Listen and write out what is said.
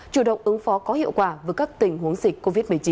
chủ động ứng phó có hiệu quả với các tình huống dịch covid một mươi chín